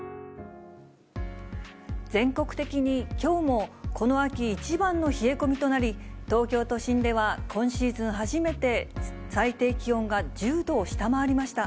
全国的にきょうもこの秋一番の冷え込みとなり、東京都心では今シーズン初めて最低気温が１０度を下回りました。